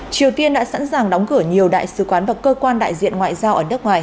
triều tiên đã sẵn sàng đóng cửa nhiều đại sứ quán và cơ quan đại diện ngoại giao ở nước ngoài